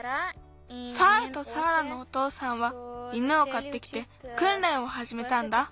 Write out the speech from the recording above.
サーラとサーラのおとうさんは犬をかってきてくんれんをはじめたんだ。